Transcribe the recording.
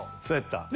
そうやった。